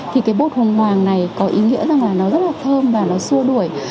thì cái bột bùng hoàng này có ý nghĩa rằng là nó rất là thơm và nó xua đuổi